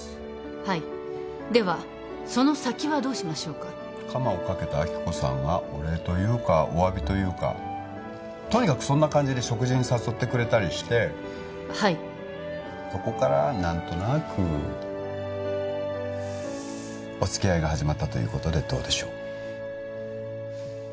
はいではその先はどうしましょうかカマをかけた亜希子さんがお礼というかお詫びというかとにかくそんな感じで食事に誘ってくれたりしてはいそこから何となくお付き合いが始まったということでどうでしょう？